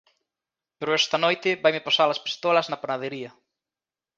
Pero esta noite vaime pasar as pistolas na panadería.